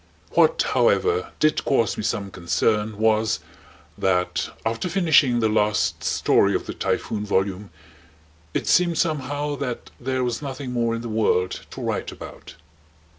What, however, did cause me some concern was that after finishing the last story of the "Typhoon" volume it seemed somehow that there was nothing more in the world to write about.